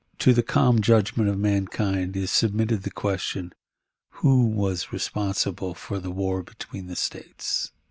To the calm judgment of mankind is submitted the question, Who was responsible for the war between the States?